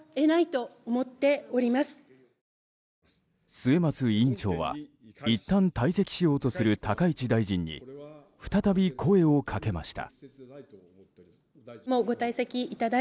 末松委員長はいったん退席しようとする高市大臣に再び声を掛けました。